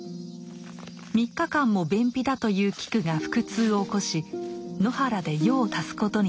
３日間も便秘だというキクが腹痛を起こし野原で用を足すことになりました。